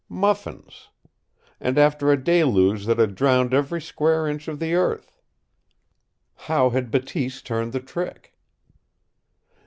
Muffins! And after a deluge that had drowned every square inch of the earth! How had Bateese turned the trick?